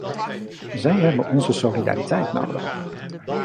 Zij hebben onze solidariteit nodig.